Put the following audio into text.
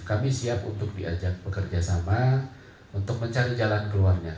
kami siap untuk diajak bekerja sama untuk mencari jalan keluarnya